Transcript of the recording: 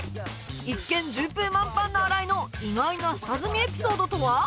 一見順風満帆な新井の意外な下積みエピソードとは